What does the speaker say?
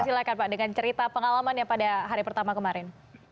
silakan pak dengan cerita pengalaman yang pada hari pertama kemarin